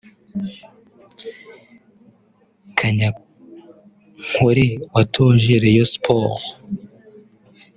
Kanyankore watoje Rayon Sports